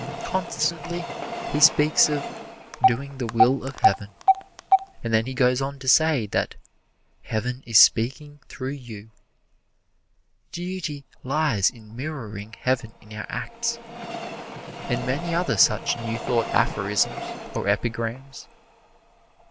Constantly he speaks of "doing the will of Heaven." And then he goes on to say that "Heaven is speaking through you," "Duty lies in mirroring Heaven in our acts," and many other such New Thought aphorisms or epigrams.